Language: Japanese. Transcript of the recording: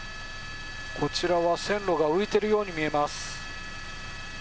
こちらは線路が浮いているように見えます。